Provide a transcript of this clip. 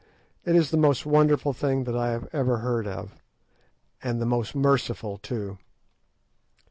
It is the most wonderful thing that I have ever heard of, and the most merciful too."